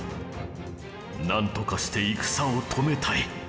なんとかして戦を止めたい。